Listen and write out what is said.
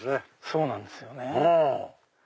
そうなんですよね。